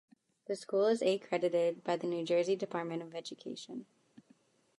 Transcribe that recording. The school is accredited by the New Jersey Department of Education.